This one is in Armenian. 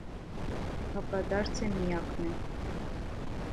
Հակադարձը միակն է։